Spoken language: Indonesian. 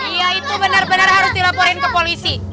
iya itu bener bener harus dilaporin ke polisi